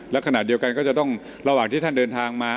และขณะเดียวกันก็จะต้องระหว่างที่ท่านเดินทางมา